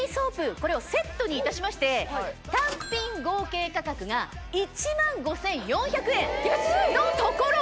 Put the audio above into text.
これをセットにいたしまして単品合計価格が１万５４００円。